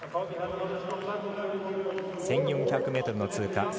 １４００ｍの通過。